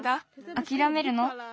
あきらめるの？